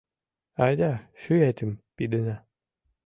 Айда шӱетым пидына.